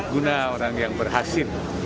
guna orang yang berhasil